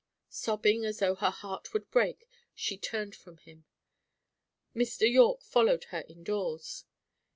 Sobbing as though her heart would break, she turned from him. Mr. Yorke followed her indoors.